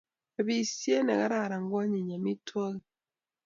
Chobisier ne kararan ko anyinyi amitwogik